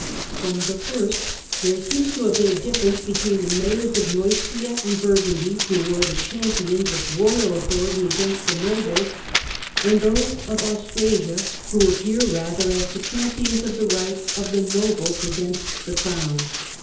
From the first there seems to 95 96 THE DAWN OF MEDIEVAL EUROPE have been a difference between the Mayors of Neustria and Burgundy, who were the champions of royal authority against the nobles, and those of Austrasia, who appear rather as the champions of the rights of the nobles against the Crown.